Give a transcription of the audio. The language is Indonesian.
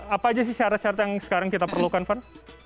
apa aja sih syarat syarat yang sekarang kita perlukan van